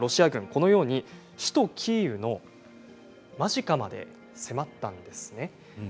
このように首都キーウの間近まで迫ったんです。